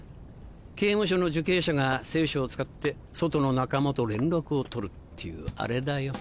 刑務所の受刑者が聖書を使って外の仲間と連絡を取るっていうあれだよ。